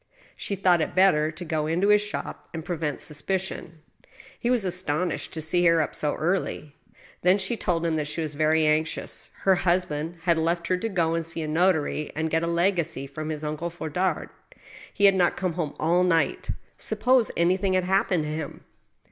She thought it better to go into his shop, and prevent suspicion. He was astonished to see her up so early. Then she told him that she was very anxious. Her husband had left her to go and see a notary, and get a legacy from his uncle Fondard. He had not come home all night. Suppose anything had happened to him